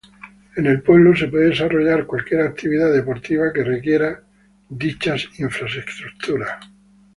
En el pueblo se puede desarrollar cualquier actividad deportiva que requiera dichas infraestructuras.